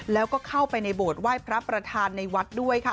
แล้วก็เข้าไปในโบสถไหว้พระประธานในวัดด้วยค่ะ